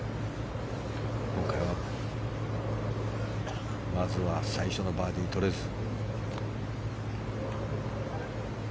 今回はまずは最初のバーディーとれず。